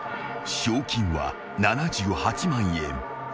［賞金は７８万円］